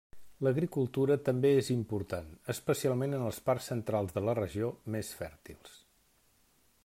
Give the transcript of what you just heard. L'agricultura també és important, especialment en les parts centrals de la regió, més fèrtils.